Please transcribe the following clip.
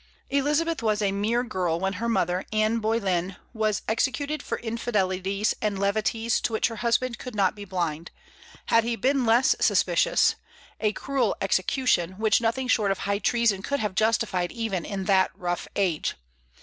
Elizabeth was a mere girl when her mother, Anne Boleyn, was executed for infidelities and levities to which her husband could not be blind, had he been less suspicious, a cruel execution, which nothing short of high treason could have justified even in that rough age.